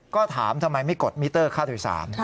ก็ถามทำไมไม่กดมิเตอร์ค่าโดยสาร